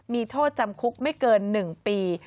มีโทษจำคุกไม่เกิน๑ปี